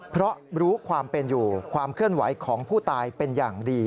เพราะรู้ความเป็นอยู่ความเคลื่อนไหวของผู้ตายเป็นอย่างดี